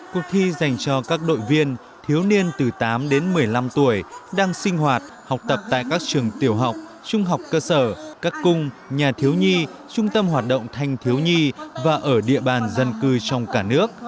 cuộc thi dành cho các đội viên thiếu niên từ tám đến một mươi năm tuổi đang sinh hoạt học tập tại các trường tiểu học trung học cơ sở các cung nhà thiếu nhi trung tâm hoạt động thanh thiếu nhi và ở địa bàn dân cư trong cả nước